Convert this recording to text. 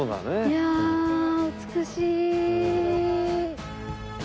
いやあ美しい。